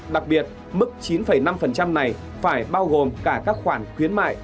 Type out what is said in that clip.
đặc biệt mức chín năm này phải bao gồm cả các khoản khuyến mại